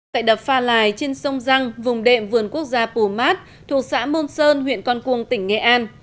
tại đập pha lài trên sông răng vùng đệm vườn quốc gia pumat thuộc xã môn sơn huyện con cuông tỉnh nghệ an